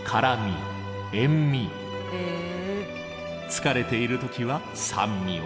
疲れている時は酸味を。